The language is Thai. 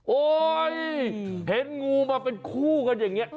เห็นงูมาเป็นคู่กันอย่างนี้